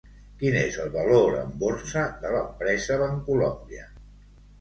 Quin és el valor en borsa de l'empresa Bancolombia?